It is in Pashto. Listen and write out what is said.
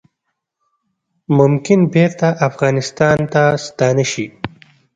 ممکن بیرته افغانستان ته ستانه شي